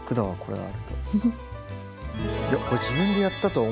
はい。